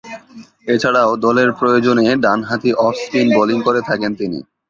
এছাড়াও দলের প্রয়োজনে ডানহাতি অফ-স্পিন বোলিং করে থাকেন তিনি।